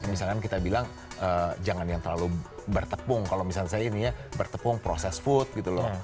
misalkan kita bilang jangan yang terlalu bertepung kalau misalnya saya ini ya bertepung proses food gitu loh